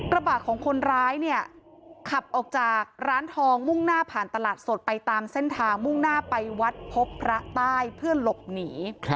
กระบะของคนร้ายเนี่ยขับออกจากร้านทองมุ่งหน้าผ่านตลาดสดไปตามเส้นทางมุ่งหน้าไปวัดพบพระใต้เพื่อหลบหนี